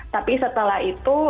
tapi setelah itu